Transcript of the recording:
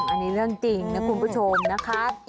อันนี้เรื่องจริงนะคุณผู้ชมนะคะ